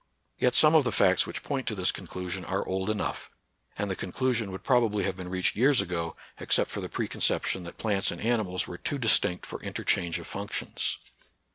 Yet some of the facts which point to this conclusion are old enough ; and the conclusion would probably have been reached years ago, except for the, preconception that plants and animals were too distinct for interchange of functions.